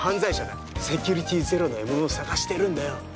セキュリティーゼロの獲物を探してるんだよ。